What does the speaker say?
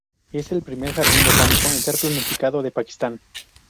Es el primer jardín botánico en ser planificado de Pakistán.